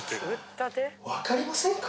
わかりませんか？